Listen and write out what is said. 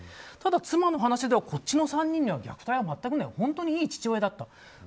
ただ、妻の話ではこっちの３人には虐待はない本当にいい父親だった。